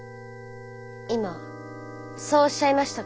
今そうおっしゃいましたか？